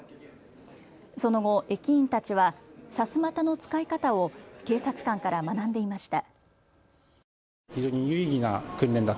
その後、駅員たちはさすまたの使い方を警察官から学んでいました。